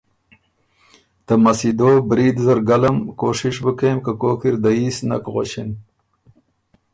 ته مسیدو برید زر ګلم کوشش بُو کېم که کوک اِر دييس نک غؤݭِن